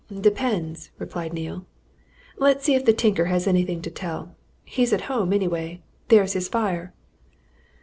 "Depends," replied Neale. "Let's see if the tinker has anything to tell. He's at home, anyway. There's his fire."